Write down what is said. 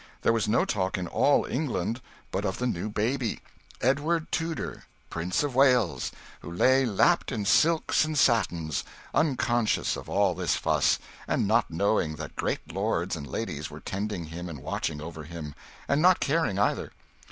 There was no talk in all England but of the new baby, Edward Tudor, Prince of Wales, who lay lapped in silks and satins, unconscious of all this fuss, and not knowing that great lords and ladies were tending him and watching over him and not caring, either.